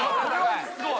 すごい。